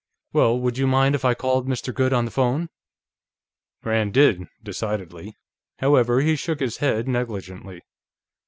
"Well, would you mind if I called Mr. Goode on the phone?" Rand did, decidedly. However, he shook his head negligently.